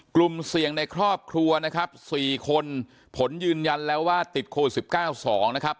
กลุ่มเสี่ยงในครอบครัวนะครับ๔คนผลยืนยันแล้วว่าติดโควิด๑๙๒นะครับ